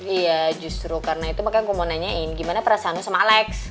iya justru karena itu makanya gue mau nanyain gimana perasaan lo sama alex